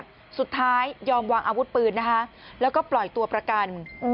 สุดท้ายยอมวางอาวุธปืนนะคะแล้วก็ปล่อยตัวประกัน